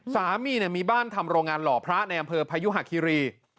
สามีหน่ะมีบ้านทำโรงงานหล่อพละในบริษัทไภยุหะคิรี